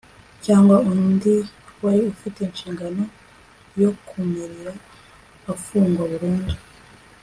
cyangwa undi wari ufite ishingano yo kumurera afungwa burundu